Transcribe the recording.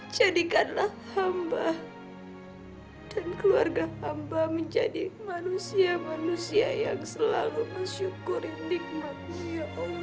jadikanlah hamba dan keluarga hamba menjadi manusia manusia yang selalu mesyukur indikmatnya ya allah